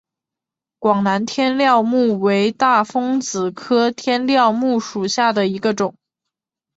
广南天料木为大风子科天料木属下的一个种。